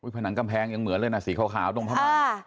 ผนังกำแพงยังเหมือนเลยนะสีขาวตรงพม่า